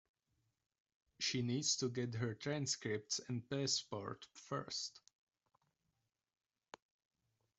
She needs to get her transcripts and passport first.